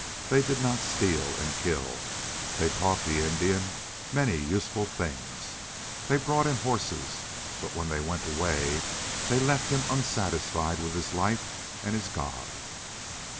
They did not steal and kill. They taught the Indian many useful things. They brought him horses. But when they went away they left him unsatisfied with his life and his god.